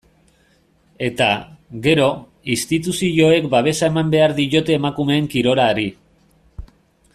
Eta, gero, instituzioek babesa eman behar diote emakumeen kirolari.